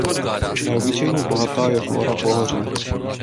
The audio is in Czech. Neobyčejně bohatá je flora pohoří.